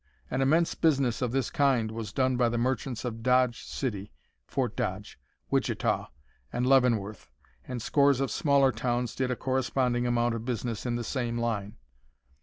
An immense business of this kind was done by the merchants of Dodge City (Fort Dodge), Wichita, and Leavenworth, and scores of smaller towns did a corresponding amount of business in the same line.